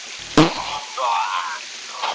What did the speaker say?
ژوند راته لنډوکی د شبنم راکه